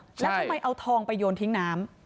แล้วทำไมเอาทองไปโยนทิ้งน้ำ